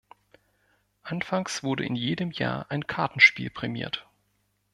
Anfangs wurde in jedem Jahr ein Kartenspiel prämiert.